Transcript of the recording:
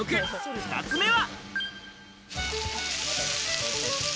２つ目は。